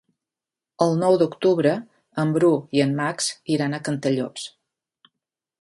El nou d'octubre en Bru i en Max iran a Cantallops.